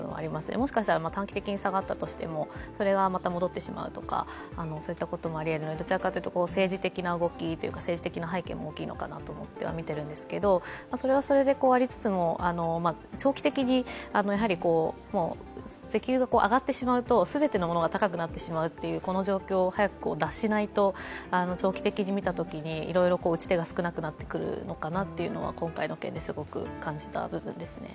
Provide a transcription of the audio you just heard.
もしかしたら短期的に下がったとしても、それがまた戻ってしまうこともありうるので、どちらかというと政治的な動き、背景も大きいのかなと思っているんですけど、それはそれでやりつつ、長期的に石油が上がってしまうと全てのものが高くなってしまうというこの状況を脱しないと、長期的に見たときにいろいろ打ち手が少なくなってくるのかなというのは今回の件ですごく感じた部分ですね。